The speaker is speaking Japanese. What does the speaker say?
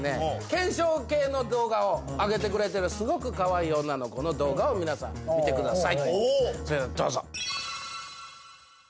検証系の動画を上げてくれてるすごくかわいい女の子の動画を皆さん見てください